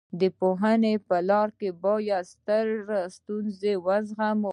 د پوهې په لاره کې باید ستړیا او ستونزې وزغمو.